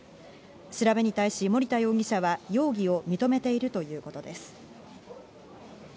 調べに対し森田容疑者は容疑を認めているということです。